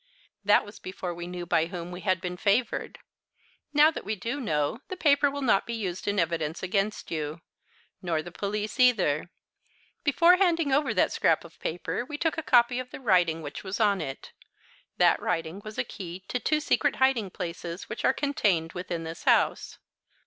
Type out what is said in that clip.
"That was before we knew by whom we had been favoured. Now that we do know, the paper will not be used in evidence against you nor the police either. Before handing over that scrap of paper we took a copy of the writing which was on it. That writing was a key to two secret hiding places which are contained within this house."